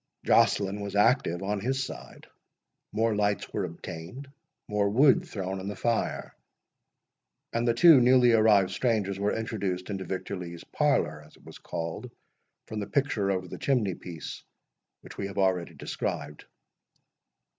Joceline was active on his side—more lights were obtained—more wood thrown on the fire—and the two newly arrived strangers were introduced into Victor Lee's parlour, as it was called, from the picture over the chimney piece, which we have already described.